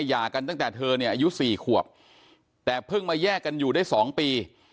หย่ากันตั้งแต่เธอเนี่ยอายุ๔ขวบแต่เพิ่งมาแยกกันอยู่ได้๒ปี